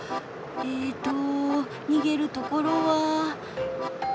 えと逃げるところは。